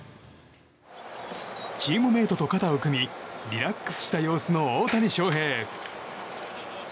チームメートと肩を組みリラックスした様子の大谷翔平。